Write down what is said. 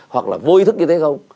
hoặc là vô ý thức như thế không